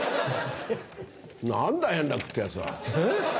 何だ円楽ってヤツは。